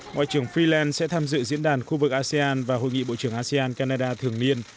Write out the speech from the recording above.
ngoại trưởng freeland sẽ tham dự diễn đàn khu vực asean và hội nghị bộ trưởng asean canada thường niên